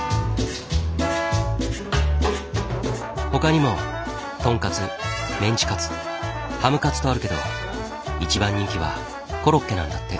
他にもとんかつメンチカツハムカツとあるけど一番人気はコロッケなんだって。